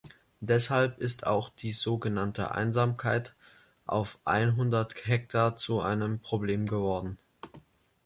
Deshalb ist auch die so genannte Einsamkeit auf einhundert Hektar zu einem Problem geworden.